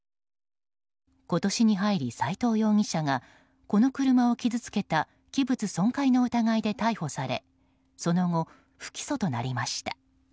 今年に入り、斎藤容疑者がこの車を傷つけた器物損壊の疑いで逮捕されその後、不起訴となりました。